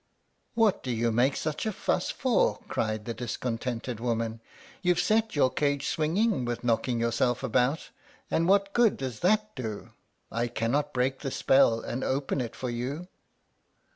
"What do you make such a fuss for?" cried the discontented woman. "You've set your cage swinging with knocking yourself about; and what good does that do? I cannot break the spell and open it for you."